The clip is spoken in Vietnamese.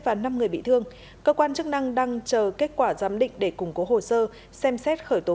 và năm người bị thương cơ quan chức năng đang chờ kết quả giám định để củng cố hồ sơ xem xét khởi tố